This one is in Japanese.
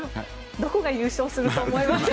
どこが優勝すると思いますか。